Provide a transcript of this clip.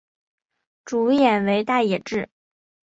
主演为大野智。